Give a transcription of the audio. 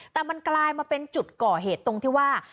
แต่มันกลายมาเป็นจุดก่อเหตุตรงที่ว่า